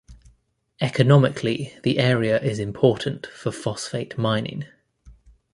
Economically the area is important for phosphate mining.